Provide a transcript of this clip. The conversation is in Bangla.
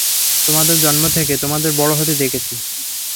তোমাদের জন্ম থেকে, তোমাদের বড় হতে দেখেছি।